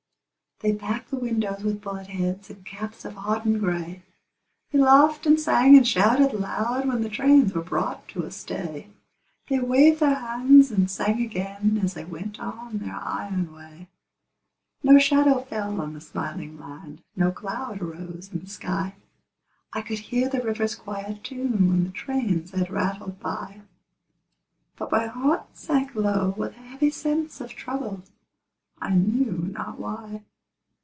They packed the windows with bullet heads And caps of hodden gray; They laughed and sang and shouted loud When the trains were brought to a stay; They waved their hands and sang again As they went on their iron way. No shadow fell on the smiling land, No cloud arose in the sky; I could hear the river's quiet tune When the trains had rattled by; But my heart sank low with a heavy sense Of trouble, I knew not why.